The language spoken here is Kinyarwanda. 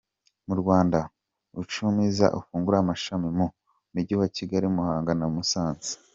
Mu Rwanda, Uchumi izafungura amashami mu Mujyi wa Kigali, Muhanga na Musanze.